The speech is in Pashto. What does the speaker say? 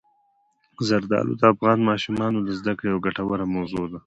زردالو د افغان ماشومانو د زده کړې یوه ګټوره موضوع ده.